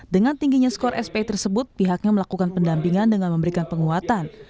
dengan tingginya skor spi tersebut pihaknya melakukan pendampingan dengan memberikan penguatan